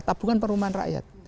tabungan perumahan rakyat